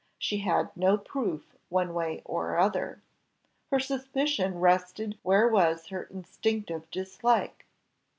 She had no proof one way or other, her suspicion rested where was her instinctive dislike.